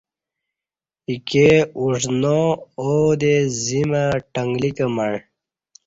ایکے اوژ ناآودے زیمہ ،ٹنلیک مع